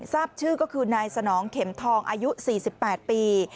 ทราบชื่อก็คือนายสนองเข็มทองอายุ๔๘ปี